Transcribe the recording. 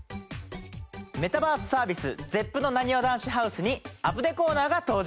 メタバースサービスＺＥＰのなにわ男子ＨＯＵＳＥに『アプデ』コーナーが登場！